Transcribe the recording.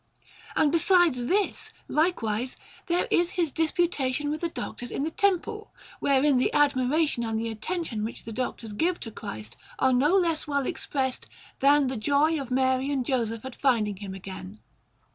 And beside this, likewise, there is His Disputation with the Doctors in the Temple, wherein the admiration and the attention which the Doctors give to Christ are no less well expressed than the joy of Mary and Joseph at finding Him again.